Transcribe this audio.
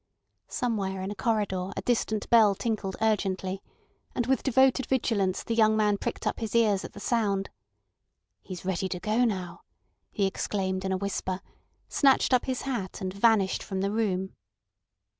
Somewhere in a corridor a distant bell tinkled urgently, and with devoted vigilance the young man pricked up his ears at the sound. "He's ready to go now," he exclaimed in a whisper, snatched up his hat, and vanished from the room.